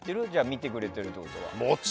見てくれてるってことは。